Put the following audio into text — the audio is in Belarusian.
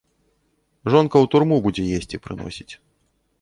Жонка ў турму будзе есці прыносіць.